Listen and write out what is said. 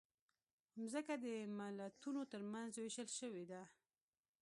مځکه د ملتونو ترمنځ وېشل شوې ده.